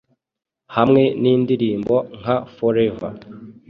hamwe nindirimbo nka Forever